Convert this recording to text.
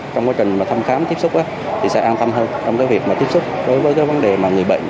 trong quá trình thăm khám